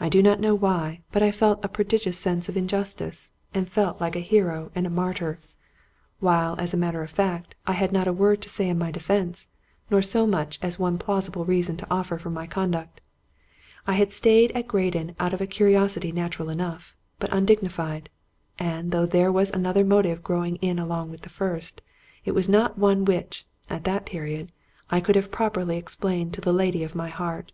I do not know why, but I felt a prodigious sense of injustice, and felt, like a hero and a 171 Scotch Mystery Stories martyr ; while as a matter of fact, I ha^ not a word to say in my defense, nor so much as one plausible reason to offer for my conduct I had stayed at Graden out of a curiosity natural enough, but undignified; and though there was another motive growing in along with the first, it was not one which, at that period, I could have properly explained to the lady of my heart.